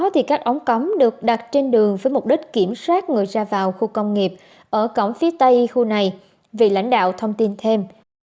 thì các ống cống được đặt trên đường với mục đích kiểm soát người ra vào khu công nghiệp ở cổng phía tây khu này vì lãnh đạo thông tin thêm